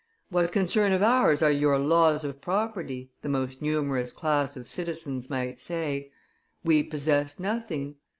What concern of ours are your laws of property? the most numerous class of citizens might say: we possess nothing.